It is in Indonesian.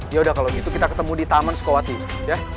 yaudah kalau gitu kita ketemu di taman sukawati ya